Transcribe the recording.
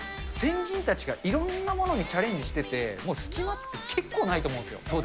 先人たちがいろんなものにチャレンジしてて、もう隙間って、結構ないと思うんですよ。